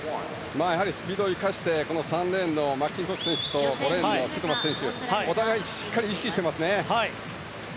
やはりスピードを生かして３レーンのマッキントッシュ選手と５レーンのティットマス選手お互いにしっかり意識してますね。